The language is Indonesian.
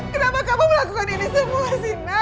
kenapa kamu melakukan ini semua sina